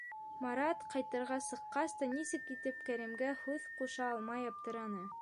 Марат, ҡайтырға сыҡҡас та, нисек итеп Кәримгә һүҙ ҡуша алмай аптыраны.